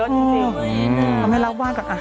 ทำให้รับบ้านก่อนอะ